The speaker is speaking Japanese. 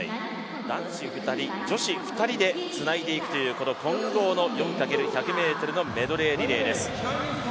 男子２人、女子２人でつないでいくという、この混合４×１００ｍのメドレーリレーです。